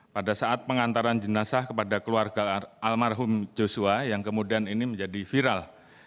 pada saat pengantaran jenazah kepada keluarga almarhum joshua yang kemudian ini menjadi viral